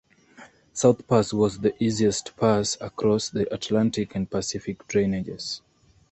South Pass was the easiest pass across the Atlantic and Pacific drainages.